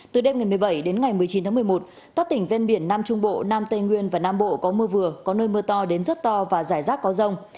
từ đêm ngày một mươi bảy đến ngày một mươi chín tháng một mươi một các tỉnh ven biển nam trung bộ nam tây nguyên và nam bộ có mưa vừa có nơi mưa to đến rất to và rải rác có rông